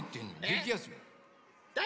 できやすよ。